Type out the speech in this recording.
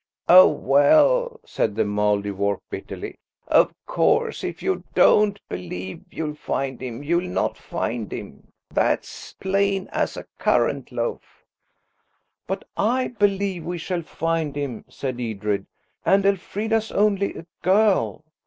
"Oh, well," said the Mouldiwarp bitterly, "of course if you don't believe you'll find him, you'll not find him. That's plain as a currant loaf." "But I believe we shall find him," said Edred, "and Elfrida's only a girl.